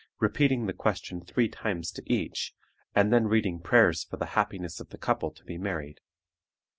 repeating the question three times to each, and then reading prayers for the happiness of the couple to be married.